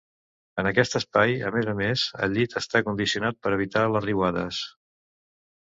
En aquest espai, a més a més, el llit està condicionat per evitar les riuades.